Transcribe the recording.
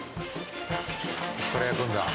これ焼くんだ。